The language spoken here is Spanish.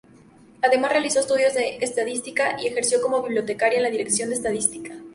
Además realizó estudios de estadística y ejerció como bibliotecaria en la Dirección de Estadísticas.